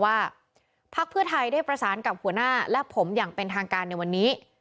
พักเพื่อไทยได้ประสานกับหัวหน้าและผมอย่างเป็นทางการในวันนี้